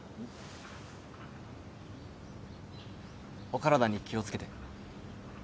お体に気を付けて。